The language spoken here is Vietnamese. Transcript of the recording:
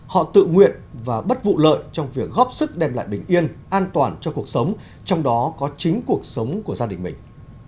họ tự nguyện và bất vụ lợi trong việc góp sức đem lại bình yên an toàn cho cuộc sống trong đó có chính cuộc sống của gia đình mình